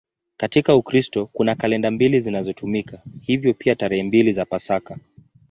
Katika Ukristo kuna kalenda mbili zinazotumika, hivyo pia tarehe mbili za Pasaka.